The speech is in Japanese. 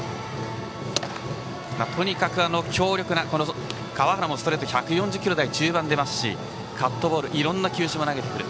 とにかく、強力な川原もストレート１５０キロ台中盤が出ますしカットボールやいろいろな球種も投げてくる。